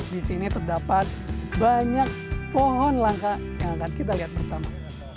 di sini terdapat banyak pohon langka yang akan kita lihat bersama